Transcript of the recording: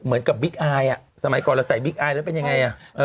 เหมือนกับบิ๊กอายสมัยก่อนเราใส่บิ๊กอายแล้วเป็นอย่างไร